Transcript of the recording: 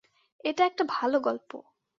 এটা একটা ভালো গল্প।